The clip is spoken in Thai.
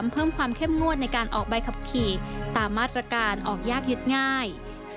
เพิ่มความเข้มงวดในการออกใบขับขี่ตามมาตรการออกยากยึดง่าย